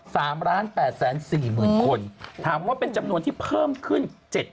ถามว่าเป็นจำนวนที่เพิ่มขึ้น๗๖๘